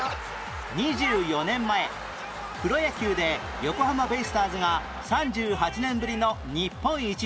２４年前プロ野球で横浜ベイスターズが３８年ぶりの日本一に